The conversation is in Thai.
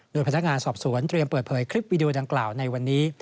โดยพนักงานสอบสวนเตรียมเปิดเผยคลิปวิดีโอดังกล่าวในวันนี้